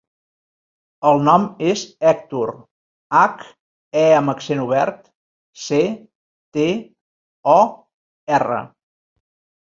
El nom és Hèctor: hac, e amb accent obert, ce, te, o, erra.